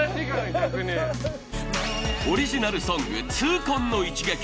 オリジナルソング『Ⅱコンの一撃』。